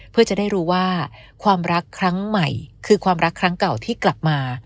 เพื่อจะได้รู้ว่าความรักครั้งใหม่คือความรักครั้งเก่าที่กลับมา